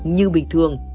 như bình thường